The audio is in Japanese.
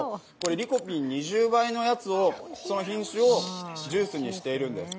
リコピン２０倍の品種のものをジュースにしているんです。